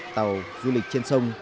tàu du lịch trang trình